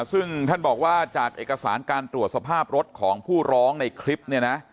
ซึ่งท่านบอกว่าจากเอกสารการตรวจสภาพรถของผู้ร้องในคลิปเนี่ยนะ